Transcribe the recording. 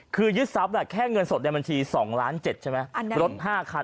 คือยึดทรัพย์แหละแค่เงินสดในบัญชีสองล้านเจ็ดใช่ไหมอันนั้นลดห้าคัน